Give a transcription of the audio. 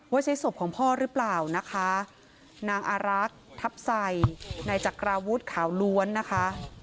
ใช้ศพของพ่อหรือเปล่านะคะนางอารักษ์ทัพใส่นายจักราวุฒิขาวล้วนนะคะ